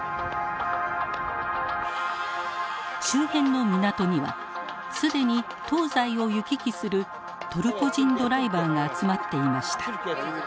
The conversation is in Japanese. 周辺の港には既に東西を行き来するトルコ人ドライバーが集まっていました。